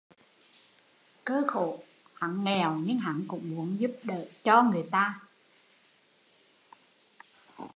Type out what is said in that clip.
Cơ khổ, hắn nghèo nhưng hắn cũng muốn giúp đỡ cho người ta